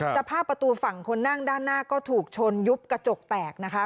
สภาพประตูฝั่งคนนั่งด้านหน้าก็ถูกชนยุบกระจกแตกนะคะ